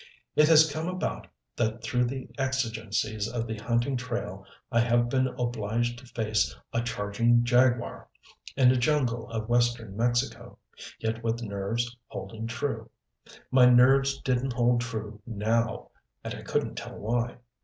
It has come about that through the exigencies of the hunting trail I have been obliged to face a charging jaguar in a jungle of Western Mexico yet with nerves holding true. My nerves didn't hold true now and I couldn't tell why.